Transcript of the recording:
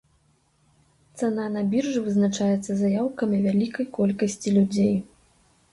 Цана на біржы вызначаецца заяўкамі вялікай колькасці людзей.